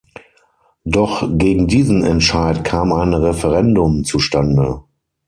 Doch gegen diesen Entscheid kam ein Referendum zustande.